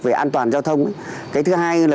về an toàn giao thông cái thứ hai là